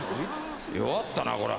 弱ったなこら。